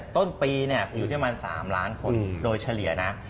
ต้นปีอยู่ที่ประมาณ๓ล้านคนโดยเฉลี่ยนะ